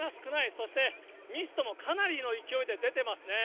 そしてミストもかなりの勢いで出てますね。